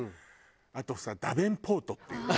あとさダベンポートっていうね。